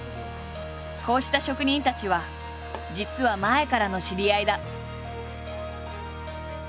こうした職人たちは実は前からの知り合いだ。